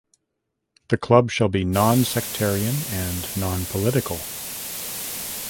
The club shall be non-sectarian and non-political.